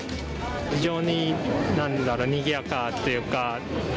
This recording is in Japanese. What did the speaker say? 非常に何だろうにぎやかというか。